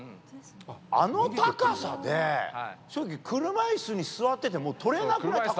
あの高さで、正直、車いすに座ってても、取れないでしょ。